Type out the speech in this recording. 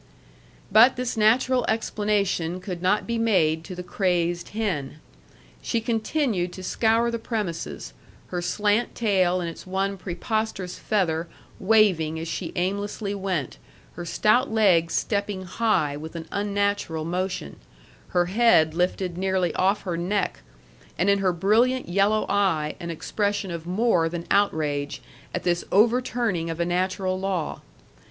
But this natural explanation could not be made to the crazed hen. She continued to scour the premises, her slant tail and its one preposterous feather waving as she aimlessly went, her stout legs stepping high with an unnatural motion, her head lifted nearly off her neck, and in her brilliant yellow eye an expression of more than outrage at this overturning of a natural law.